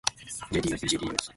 jdmpjdmx